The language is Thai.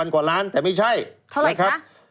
๗๐๐๐กว่าล้านแต่ไม่ใช่เท่าไหร่คะ